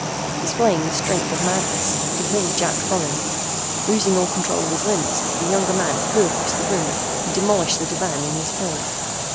Displaying the strength of madness he hurled Jack from him. Losing all control of his limbs, the younger man flew across the room and demolished the divan in his fall.